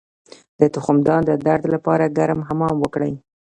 د تخمدان د درد لپاره ګرم حمام وکړئ